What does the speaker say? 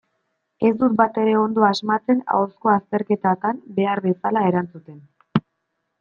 Ez dut batere ondo asmatzen ahozko azterketetan behar bezala erantzuten.